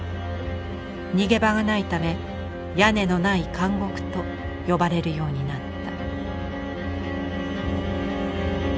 逃げ場がないため「屋根のない監獄」と呼ばれるようになった。